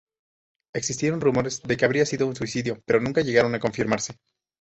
Existieron rumores de que habría sido un suicidio, pero nunca llegaron a confirmarse.